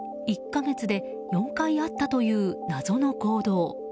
１か月で４回あったという謎の行動。